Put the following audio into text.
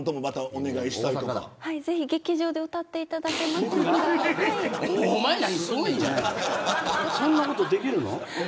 そんなことできるの。